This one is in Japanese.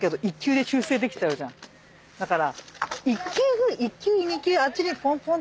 「だから」